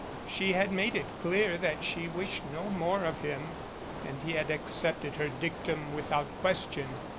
She had made it clear that she wished no more of him and he had accepted her dictum without question.